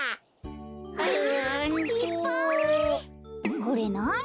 これなに？